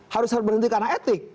harus berhenti karena etik